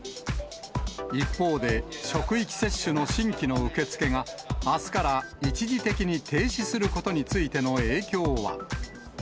一方で、職域接種の新規の受け付けが、あすから一時的に停止することについての影響は。